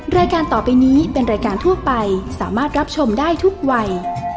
รายการต่อไปนี้เป็นรายการทั่วไปสามารถรับชมได้ทุกวัย